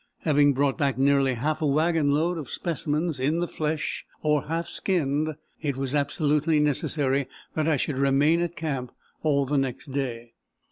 Having brought back nearly half a wagon load of specimens in the flesh or half skinned, it was absolutely necessary that I should remain at camp all the next day.